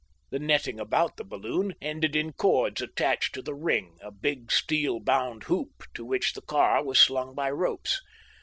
The netting about the balloon ended in cords attached to the ring, a big steel bound hoop to which the car was slung by ropes.